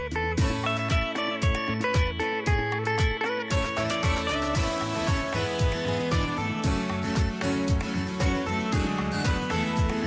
โปรดติดตามตอนต่อไป